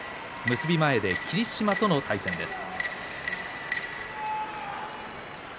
結び前で霧島との対戦です。